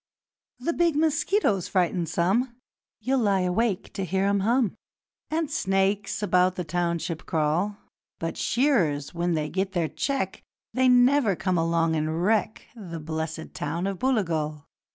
'The big mosquitoes frighten some You'll lie awake to hear 'em hum And snakes about the township crawl; But shearers, when they get their cheque, They never come along and wreck The blessed town of Booligal.